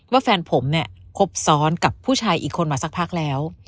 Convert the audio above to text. แฟนผมเนี่ยคบซ้อนกับผู้ชายอีกคนมาสักพักแล้ว